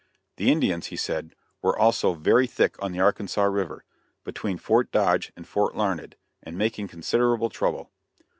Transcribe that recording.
The Indians, he said, were also very thick on the Arkansas River, between Fort Dodge and Fort Larned, and making considerable trouble.